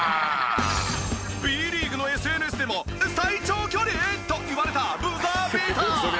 ＢリーグのＳＮＳでも「最長距離！？」といわれたブザービーター。